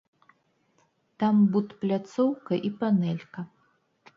Там будпляцоўка і панэлька.